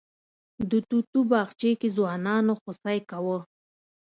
د توتو باغچې کې ځوانانو خوسی کوه.